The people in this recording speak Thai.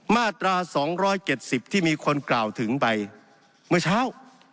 มาตรา๒๗๐ที่มีคนกล่าวถึงไปเมื่อเช้า